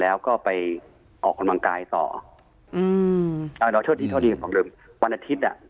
แล้วก็ไปออกกำลังกายต่อ